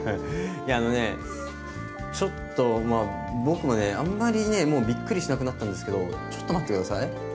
いやあのねちょっとまあ僕もねあんまりねもうびっくりしなくなったんですけどちょっと待って下さい。